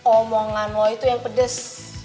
omongan wah itu yang pedes